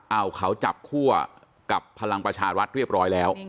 เอาเขาจับคั่วกับพลังประชารัฐเรียบร้อยแล้ว